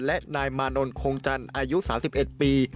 และนายมานนโคงจันทร์อายุสามสิบเอ็ดปี